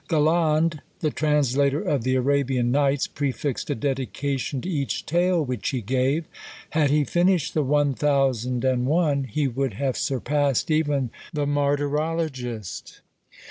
Galland, the translator of the Arabian Nights, prefixed a dedication to each tale which he gave; had he finished the "one thousand and one," he would have surpassed even the Martyrologist.